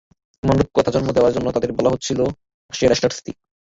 এমন রূপকথা জন্ম দেওয়া জন্য তাদের বলা হচ্ছিল রাশিয়ার লেস্টার সিটি।